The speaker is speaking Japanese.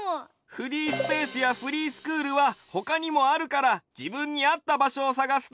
フリースペースやフリースクールはほかにもあるからじぶんにあったばしょをさがすといいよ。